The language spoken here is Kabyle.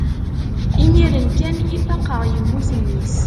imir-n kan i faqeɣ yemmut mmi-s